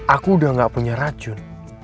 aku udah gak punya racun